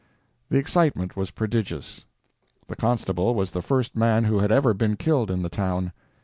The excitement was prodigious. The constable was the first man who had ever been killed in the town.